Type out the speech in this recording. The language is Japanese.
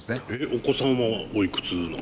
お子さんはおいくつなの？